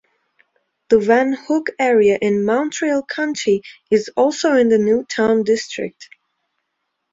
The Van Hook area in Mountrail County is also in the New Town district.